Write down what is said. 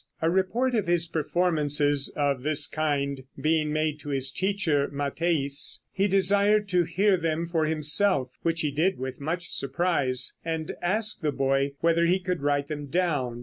A report of his performances of this kind being made to his teacher Matteis, he desired to hear them for himself, which he did with much surprise, and asked the boy whether he could write them down.